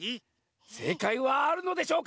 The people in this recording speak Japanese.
せいかいはあるのでしょうか？